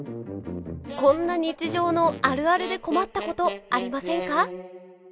こんな日常のあるあるで困ったこと、ありませんか？